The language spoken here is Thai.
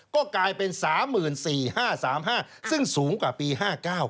ก็กลายเป็น๓๔๕๓๕ซึ่งสูงกว่าปี๕๙